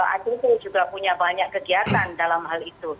act juga punya banyak kegiatan dalam hal itu